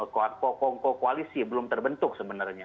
kongko koalisi belum terbentuk sebenarnya